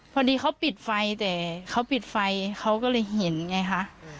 พอดีเขาปิดไฟแต่เขาปิดไฟเขาก็เลยเห็นไงคะ